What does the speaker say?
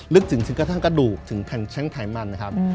ลึกถึงทั้งกระดูกถึงแผ่นแช้งไถมันนะครับ